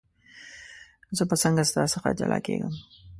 زه به څنګه ستا څخه جلا کېږم.